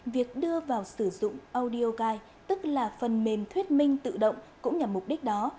việc đưa vào sử dụng audio guide tức là phần mềm thuyết minh tự động cũng nhằm mục đích đó